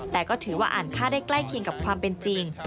แต่ก็ถือว่าอ่านค่าได้ใกล้เคียงกับความเป็นจริง